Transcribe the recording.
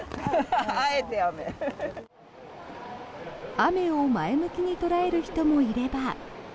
雨を前向きに捉える人もいれば。